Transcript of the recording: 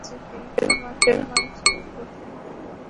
তোমার মুখের মানচিত্র বদলে দেওয়ার অনুমতিও দেওয়া আছে!